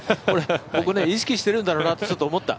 僕、意識してるんだろうなとちょっと思った。